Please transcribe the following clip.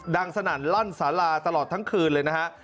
สนั่นลั่นสาลาตลอดทั้งคืนเลยนะฮะ